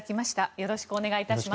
よろしくお願いします。